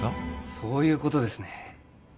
そういうことですね